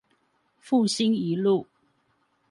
復興一路